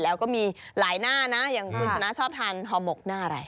แล้วก็มีหลายหน้านะอย่างคุณชนะชอบทานฮอหมกหน้าอะไร